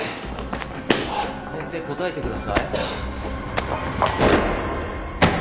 先生答えてください。